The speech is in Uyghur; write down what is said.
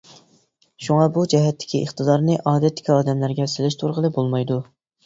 شۇڭا بۇ جەھەتتىكى ئىقتىدارىنى ئادەتتىكى ئادەملەرگە سېلىشتۇرغىلى بولمايدۇ.